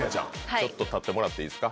ちょっと立ってもらっていいですか？